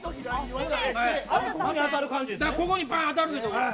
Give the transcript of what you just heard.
ここにバーンって当たるけど。